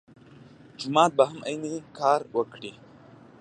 جومات به هم عین کار وکړي.